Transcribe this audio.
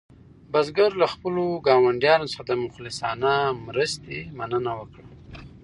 بزګر له خپلو ګاونډیانو څخه د مخلصانه مرستې مننه وکړه.